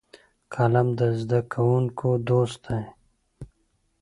قلم د زده کوونکو دوست دی